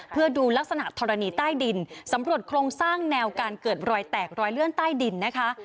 เพื่อดูลักษณะธรณีใต้ดินสำรวจโครงสร้างแนวการเกิดรอยแตกรอยเลื่อนใต้ดินนะคะ